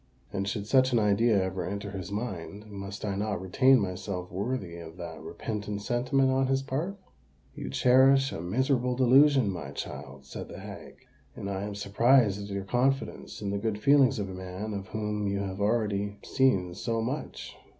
And should such an idea ever enter his mind, must I not retain myself worthy of that repentant sentiment on his part?" "You cherish a miserable delusion, my child," said the hag; "and I am surprised at your confidence in the good feelings of a man of whom you have already seen so much."